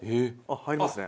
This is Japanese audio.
入りますね。